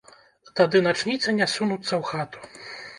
Тады начніцы не сунуцца ў хату.